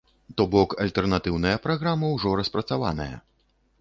То бок, альтэрнатыўная праграма ўжо распрацаваная.